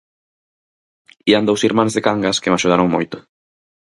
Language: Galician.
Ían dous irmáns de Cangas que me axudaron moito.